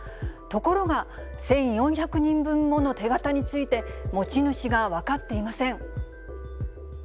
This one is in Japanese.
ところが、１４００人分もの手形について、持ち主が分かっていません。